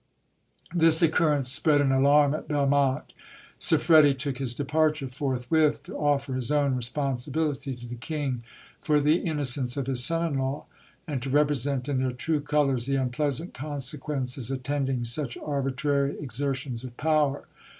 This occurrence spread an alarm at Belmonte. Siffredi took his departure forthwith, to offer his own responsibility to the king for the innocence of his son in law, and to represent in their true colours the unpleasant consequences attending such arbitrary exertions of power.